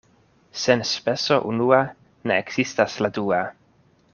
Sen speso unua ne ekzistas la dua.